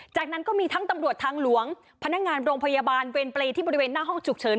จากนั้นก็มีทั้งตำรวจทางหลวงพนักงานโรงพยาบาลเวรปลีที่บริเวณหน้าห้องฉุกเฉิน